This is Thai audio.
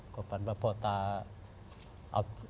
ขอฝันว่าพ่อตาเอาขันไถไปซุกไว้ไฮ